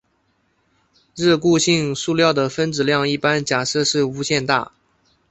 热固性塑料的分子量一般假设是无限大。